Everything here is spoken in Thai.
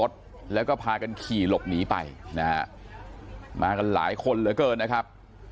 รถแล้วก็พากันขี่หลบหนีไปนะฮะมากันหลายคนเหลือเกินนะครับ